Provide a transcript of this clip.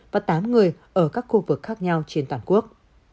và tám người ở các khu vực khác nhau trên toàn quốc